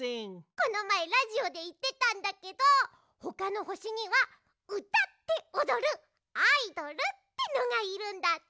このまえラジオでいってたんだけどほかのほしにはうたっておどるアイドルってのがいるんだって。